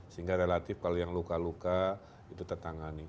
sehingga relatif kalau yang luka luka itu tertangani